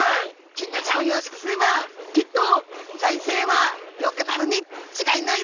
金魚ちゃんを養殖すればきっと財政はよくなるに違いないぞ」と。